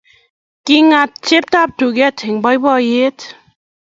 Kigaat chitab duget eng boiboiyet